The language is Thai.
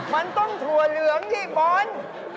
มันต้องถั่วเหลืองพี่บอล